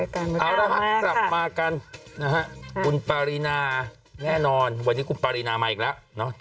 กลับมากันนะครับคุณปารินาแน่นอนวันนี้คุณปารินามาอีกแล้ว